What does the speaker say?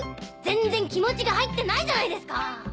全然気持ちが入ってないじゃないですか！